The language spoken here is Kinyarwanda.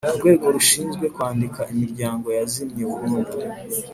Urwego rushinzwe kwandika imiryango yazimye burundu